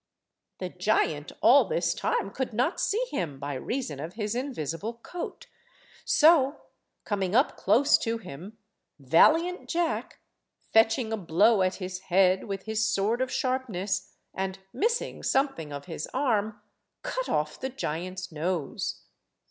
The giant all this time could not see him by reason of his invisible coat. So, coming up close to him, valiant Jack, fetching a blow at his head with his sword of sharpness, and missing something of his arm, cut off the giant's nose.